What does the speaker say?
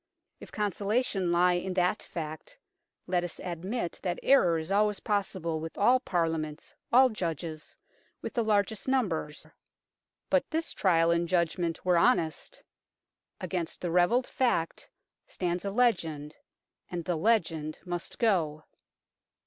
If consolation lie in that fact, let us admit that error is always possible with all Parliaments, all Judges, with the largest numbers ; but this trial and judgment THE BAGA DE SECRETIS 161 were honest. Against the revealed fact stands a legend, and the legend must go.